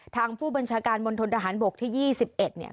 ทางผู้บัญชาการมณฑนทหารบกที่๒๑เนี่ย